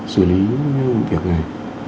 xử lý việc này